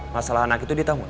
masalah anak itu dia tau gak